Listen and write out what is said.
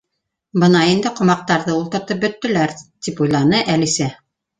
—Бына инде ҡомаҡтарҙы ултыртып бөттөләр, —тип уйланы Әлисә.